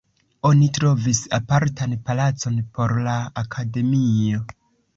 Oni trovis apartan palacon por la akademio.